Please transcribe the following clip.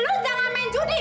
lo jangan main judi